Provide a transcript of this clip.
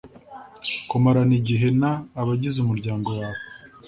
Kumarana igihe n abagize umuryango wawe